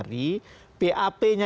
misalnya dari pap nya